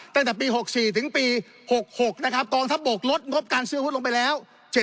ตั้งแต่ปี๖๔ถึงปี๖๖นะครับกองทัพบกลดงบการซื้อหุ้นลงไปแล้ว